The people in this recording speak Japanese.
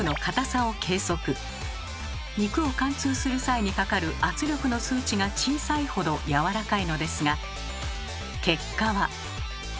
肉を貫通する際にかかる圧力の数値が小さいほどやわらかいのですが結果は。